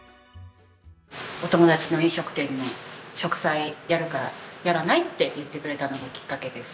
「お友達の飲食店の植栽やるからやらない？」って言ってくれたのがきっかけです。